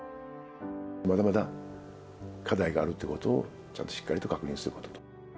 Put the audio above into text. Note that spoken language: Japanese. まだまだ課題があるってことを、ちゃんとしっかりと確認すること。